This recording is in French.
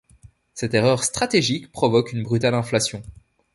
Cette erreur stratégique provoque une brutale inflation.